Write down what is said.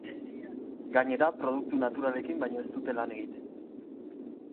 Gainera, produktu naturalekin baino ez dute lan egiten.